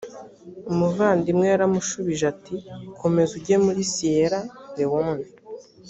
umuvandimwe yaramushubije ati komeza ujye muri siyera lewone